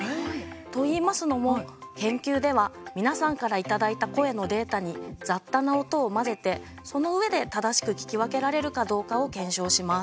といいますのも、研究では皆さんからいただいた声のデータに雑多な音を混ぜてそのうえで正しく聞き分けられるかどうかを検証します。